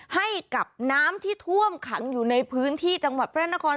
ให้กับน้ำที่ท่วมขังอยู่ในพื้นที่จังหวัดพระนคร